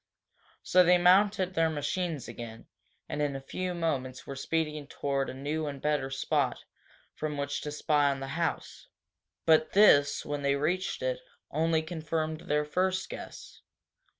So they mounted their machines again, and in a few moments were speeding toward a new and better spot from which to spy on the house. But this, when they reached it, only confirmed their first guess.